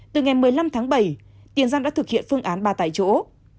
từ ngày một mươi năm tháng bảy tiền giang đã thực hiện phương án ba tại chỗ